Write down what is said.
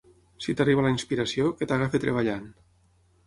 Si t'arriba la inspiració, que t'agafi treballant.